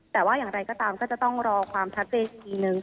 แต่ว่าอย่างไรก็ตามก็จะต้องรอความชัดเจนอีกทีนึง